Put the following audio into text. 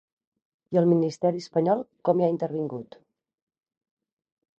I el ministeri espanyol com hi ha intervingut?